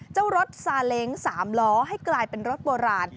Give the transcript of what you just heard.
รถซาเล้ง๓ล้อให้กลายเป็นรถโบราณ